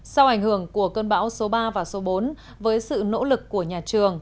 sau ảnh hưởng của cơn bão số ba và số bốn với sự nỗ lực của nhà trường